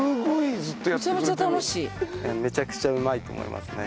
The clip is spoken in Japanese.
めちゃくちゃうまいと思いますね。